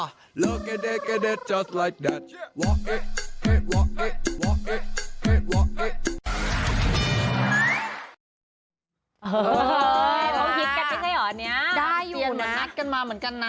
เหมือนนัดกันมาเหมือนกันนะ